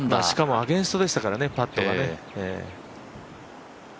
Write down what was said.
しかもアゲンストでしたからねパットがね。